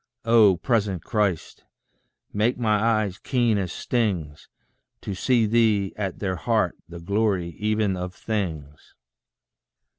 Oh, present Christ! make my eyes keen as stings, To see thee at their heart, the glory even of things.